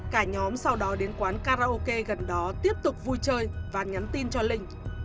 cả nhóm sau đó đến quán karaoke gần đó tiếp tục vui chơi và nhắn tin cho linh